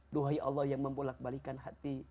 duhai allah yang memulakbalikan hati